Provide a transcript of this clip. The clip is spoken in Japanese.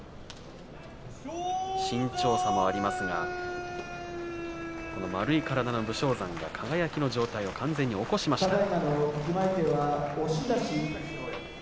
身長差もありますがこの丸い体の武将山が輝の上体を完全に起こしました。